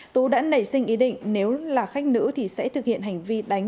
tú đã nảy sinh ý định nếu là khách nữ thì sẽ thực hiện hành hung